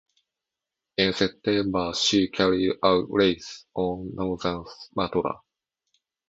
In September she carried out raids on Northern Sumatra.